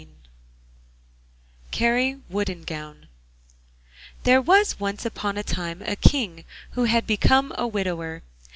No, 34,) KARI WOODENGOWN There was once upon a time a King who had become a widower.